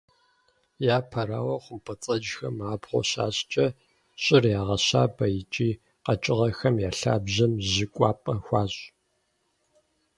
Япэрауэ, хъумпӏэцӏэджхэм абгъуэ щащӏкӏэ, щӏыр ягъэщабэ, икӏи къэкӏыгъэхэм я лъабжьэм жьы кӏуапӏэ хуащӏ.